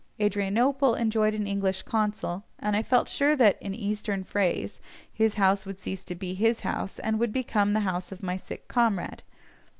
Adrianople enjoyed an English consul, and I felt sure that, in Eastern phrase, his house would cease to be his house, and would become the house of my sick comrade.